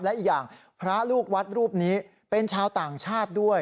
และอีกอย่างพระลูกวัดรูปนี้เป็นชาวต่างชาติด้วย